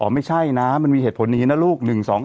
อ๋อไม่ใช่นะมันมีเหตุผลนี้นะลูก๑๒๓๔